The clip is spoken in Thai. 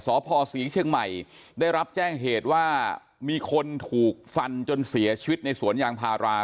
สพศรีเชียงใหม่ได้รับแจ้งเหตุว่ามีคนถูกฟันจนเสียชีวิตในสวนยางพารา